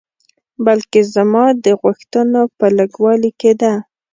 بلکې زما د غوښتنو په لږوالي کې ده.